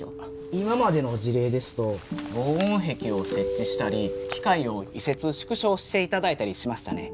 今までの事例ですと防音壁を設置したり機械を移設縮小していただいたりしましたね。